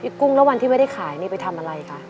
กุ้งแล้ววันที่ไม่ได้ขายนี่ไปทำอะไรคะ